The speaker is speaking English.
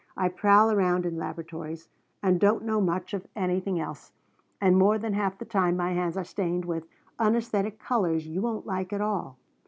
I prowl around in laboratories and don't know much of anything else, and more than half the time my hands are stained with unaesthetic colours you won't like at all.